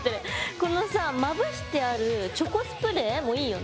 このさまぶしてあるチョコスプレーもいいよね。